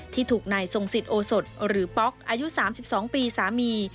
ที่ถูกนายทรงสิทธิโอสดหรือป๊อกอายุ๓๒ปีสามี